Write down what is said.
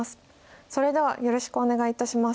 それではよろしくお願いいたします。